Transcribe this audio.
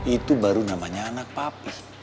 itu baru namanya anak papa